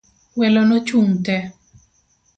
Welo no chung' te.